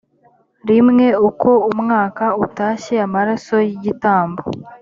rimwe uko umwaka utashye amaraso y igitambo